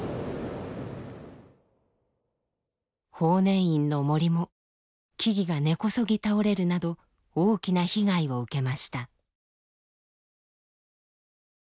法然院の森も木々が根こそぎ倒れるなど大きな被害を受けました。